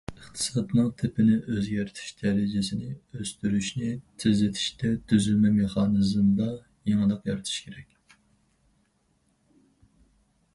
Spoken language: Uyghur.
ئىقتىسادنىڭ تىپىنى ئۆزگەرتىش، دەرىجىسىنى ئۆستۈرۈشنى تېزلىتىشتە، تۈزۈلمە مېخانىزمىدا يېڭىلىق يارىتىش كېرەك.